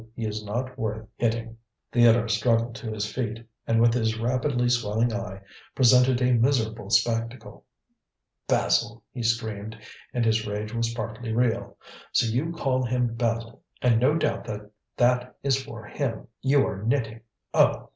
He is not worth hitting." Theodore struggled to his feet, and with his rapidly swelling eye presented a miserable spectacle. "Basil!" he screamed, and his rage was partly real; "so you call him Basil, and no doubt that that is for him you are knitting. Oh!"